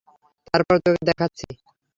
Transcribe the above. তারপর তোকে দেখাচ্ছি।